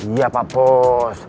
iya pak bos